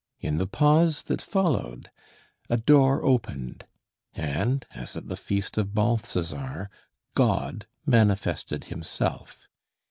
In the pause that followed a door opened, and, as at the feast of Balthazar, God manifested himself.